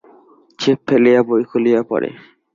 ছিপ ফেলিয়া বই খুলিয়া পড়ে।